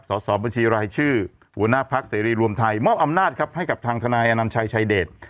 สอบบัญชีรายชื่อหัวหน้าพักเสรีรวมไทยมอบอำนาจครับให้กับทางทนายอนัญชัยชายเดช